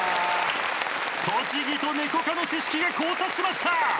栃木とネコ科の知識が交差しました！